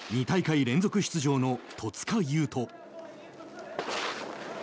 ２大会連続出場の戸塚優斗。